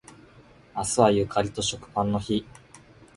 明日はゆかりと食パンの日